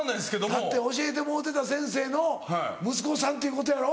だって教えてもろうてた先生の息子さんっていうことやろ？